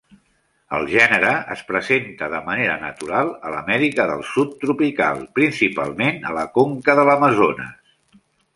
El gènere es presenta de manera natural a l'Amèrica del Sud tropical, principalment a la conca de l'Amazones.